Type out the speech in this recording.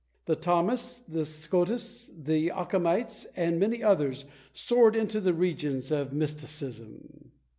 The Thomists, and the Scotists, the Occamites, and many others, soared into the regions of mysticism.